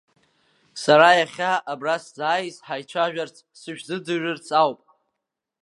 Сара иахьа абра сзааиз ҳаицәажәарц, сышәзырӡырҩырц ауп…